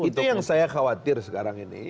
itu yang saya khawatir sekarang ini